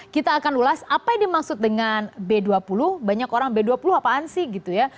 kita akan ulas apa yang dimaksud dengan b dua puluh banyak orang b dua puluh apaan sih gitu ya